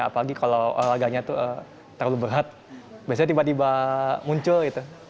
apalagi kalau olahraganya terlalu berat biasanya tiba tiba muncul